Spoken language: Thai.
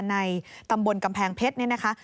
ในตำบลกำแพงเพชร